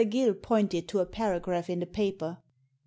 Gill pointed to a paragraph in the paper.